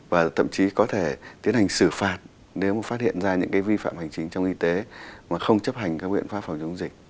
và thậm chí có thể tiến hành xử phạt nếu phát hiện ra những vi phạm hành chính trong y tế mà không chấp hành các biện pháp phòng chống dịch